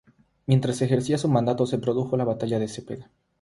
Mientras ejercía su mandato se produjo la batalla de Cepeda.